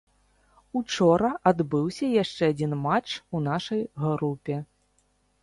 Учора адбыўся яшчэ адзін матч у нашай групе.